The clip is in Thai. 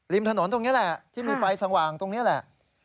ถนนตรงนี้แหละที่มีไฟสว่างตรงนี้แหละ